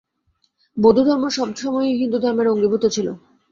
বৌদ্ধধর্ম সব সময়ই হিন্দুধর্মের অঙ্গীভূত ছিল।